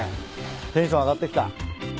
テンション上がってきた。